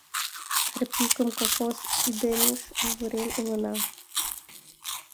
Арпикым колхоз идымеш авырен улына.